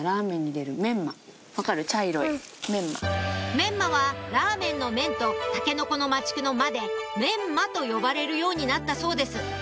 メンマは「ラーメン」の「メン」とタケノコの「マチク」の「マ」で「メンマ」と呼ばれるようになったそうです